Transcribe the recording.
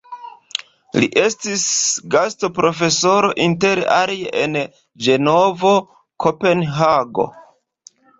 Li estis gastoprofesoro inter alie en Ĝenevo, Kopenhago.